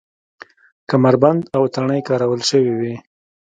کمربند او تڼۍ کارول شوې وې.